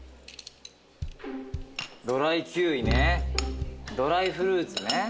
ドライキウイねドライフルーツね。